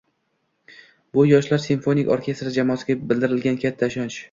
Bu - Yoshlar simfonik orkestri jamoasiga bildirilgan katta ishonch